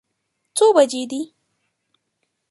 څو بجې دي؟